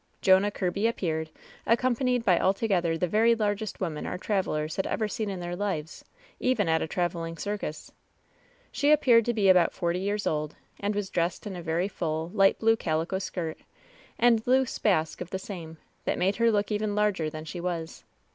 Jonah Kirby appeared, accompanied by altogether the very largest woman our travelers had ever seen in their lives, even at a traveling circus. She appeared to be about forty years old, and was dressed in a very full, light blue calico skirt, and loose basque of the same, that made her look even larger than she was.